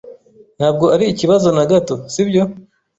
Ntabwo ari ikibazo na gato, si byo?